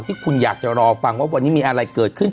ที่คุณอยากจะรอฟังว่าวันนี้มีอะไรเกิดขึ้น